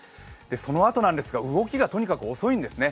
そのあとなんですが、動きがとにかく遅いんですね。